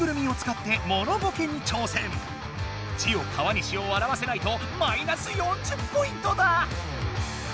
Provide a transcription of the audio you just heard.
ここではジオ川西をわらわせないとマイナス４０ポイントだ！